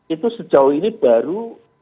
itu sejauh ini baru